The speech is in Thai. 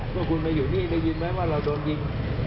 พวกคุณมาอยู่นี้ไม่รู้มั้ยว่าเราโดนยิง